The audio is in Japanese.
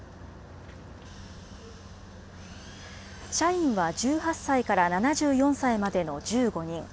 社員は１８歳から７４歳までの１５人。